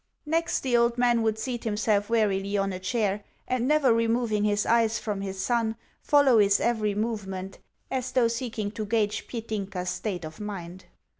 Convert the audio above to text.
Next, the old man would seat himself warily on a chair, and, never removing his eyes from his son, follow his every movement, as though seeking to gauge Petinka's state of mind.